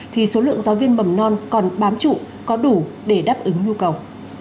thì số lượng giáo viên mầm non còn bám trụ có đủ để đáp ứng nhu cầu